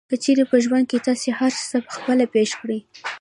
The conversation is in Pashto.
که چېرې په ژوند کې هر څه تاسې خپله پېښ کړئ.